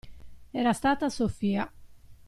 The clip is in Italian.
Era stata Sofia.